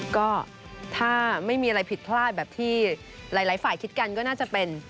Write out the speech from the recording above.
ก็ถ้าไม่มีอะไรผิดพลาดแบบที่หลายฝ่ายคิดกันก็น่าจะเป็น